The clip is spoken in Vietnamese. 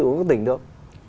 của các tỉnh được